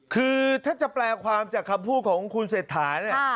คือถ้าจะแปลความจากคำพูดของคุณเสร็จถ่าย